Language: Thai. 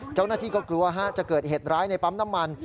เจ้าหน้าที่ก็กลัวจะเกิดเหตุร้ายในปั๊มน้ำมัน